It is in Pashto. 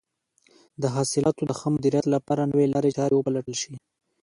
د حاصلاتو د ښه مدیریت لپاره نوې لارې چارې وپلټل شي.